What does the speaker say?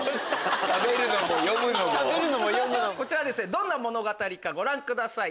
どんな物語かご覧ください